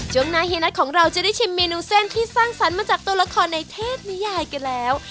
ช่วงหน้าเฮียนัทของเราจะได้ชิมเมนูเส้นที่สร้างสรรค์มาจากตัวละครในเทพนิยายกันแล้ว